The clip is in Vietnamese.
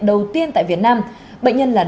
đầu tiên tại việt nam bệnh nhân là